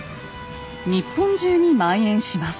日本中に蔓延します。